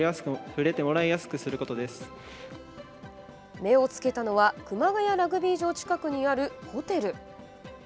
目をつけたのは熊谷ラグビー場近くにあるホテル。